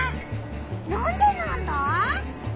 なんでなんだ？